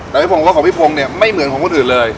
แต่พี่พงรสของพี่พงศ์เนี่ยไม่เหมือนของคนอื่นเลย